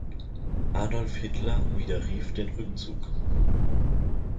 Adolf Hitler widerrief den Rückzug.